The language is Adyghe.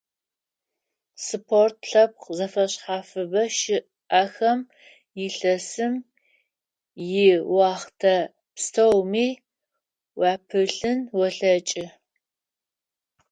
Спорт лъэпкъ зэфэшъхьафыбэ щыӀ, ахэм илъэсым иохътэ пстэуми уапылъын олъэкӀы.